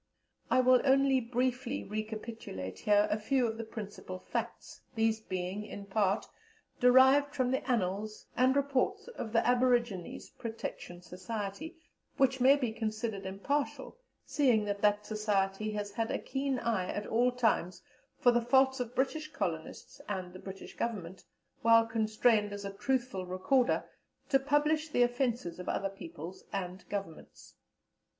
I will only briefly recapitulate here a few of the principal facts, these being, in part, derived from the annals and reports of the Aborigines Protection Society, which may be considered impartial, seeing that that Society has had a keen eye at all times for the faults of British colonists and the British Government, while constrained, as a truthful recorder, to publish the offences of other peoples and Governments.